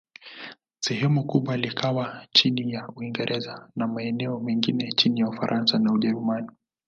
Sehemu kubwa likawa chini ya Uingereza, na maeneo mengine chini ya Ufaransa na Ujerumani.